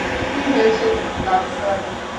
কি হয়েছে ডাক্তার?